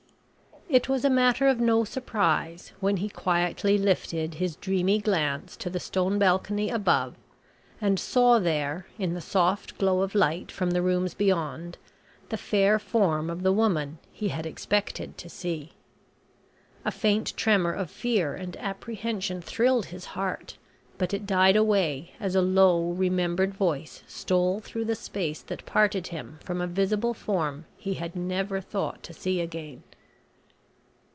It was a matter of no surprise when he quietly lifted his dreamy glance to the stone balcony above, and saw there, in the soft glow of light from the rooms beyond, the fair form of the woman he had expected to see. A faint tremor of fear and apprehension thrilled his heart, but it died away as a low remembered voice stole through the space that parted him from a visible form he had never thought to see again.